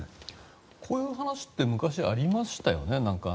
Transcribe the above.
こういう話って昔、ありましたよね。